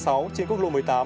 quốc lộ một mươi tám